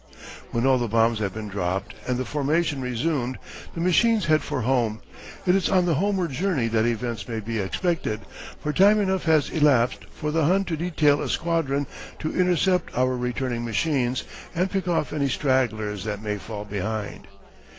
When all the bombs have been dropped and the formation resumed the machines head for home. It is on the homeward journey that events may be expected, for time enough has elapsed for the Hun to detail a squadron to intercept our returning machines and pick off any stragglers that may fall behind.